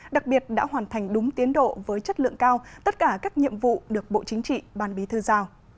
đặc biệt đã hoàn thành đúng tiến độ với chất lượng cao tất cả các nhiệm vụ được bộ chính trị ban bí thư giao